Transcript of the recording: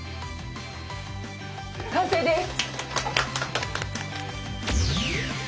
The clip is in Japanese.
完成です！